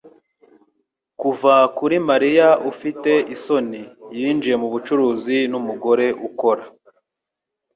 Kuva kuri "Mariya ufite isoni," yinjiye mubucuruzi numugore ukora